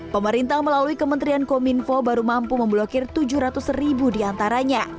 pemerintah melalui kementerian kominfo baru mampu memblokir tujuh ratus ribu diantaranya